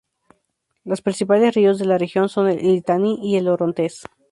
Los principales ríos de la región son el Litani y el Orontes.